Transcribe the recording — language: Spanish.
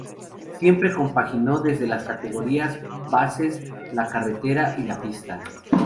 Siempre compaginó desde las categorías bases la carretera y la pista.